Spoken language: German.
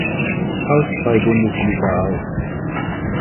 Faustball-Bundesliga auf.